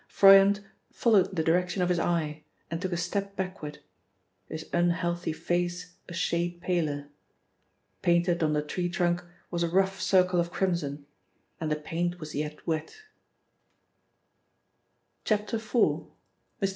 Froyant followed the direction of his eye and took a step backward, his unhealthy face a shade paler. Painted on the tree trunk was a rough circle of crimson, and the paint was yet wet. IV. — MR.